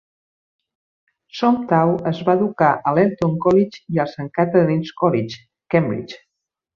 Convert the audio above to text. Somtow es va educar a l'Eton College i al Saint Catharine's College, Cambridge.